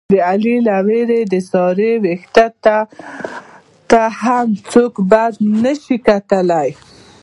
د علي له وېرې د سارې وېښته ته هم څوک بد نظر نشي کولی.